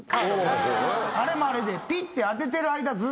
あれもあれでピッて当ててる間。